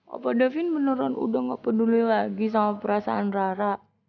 apa da vin beneran udah ngga peduli lagi sama perasaan rara